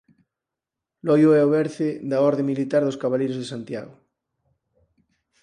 Loio é o berce da orde militar dos Cabaleiros de Santiago.